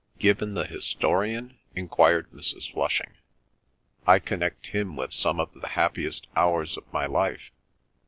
"Gibbon the historian?" enquired Mrs. Flushing. "I connect him with some of the happiest hours of my life.